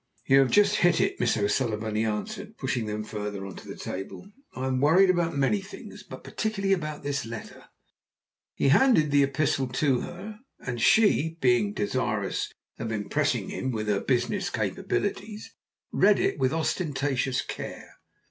"You have just hit it, Miss O'Sullivan," he answered, pushing them farther on to the table. "I am worried about many things, but particularly about this letter." He handed the epistle to her, and she, being desirous of impressing him with her business capabilities, read it with ostentatious care.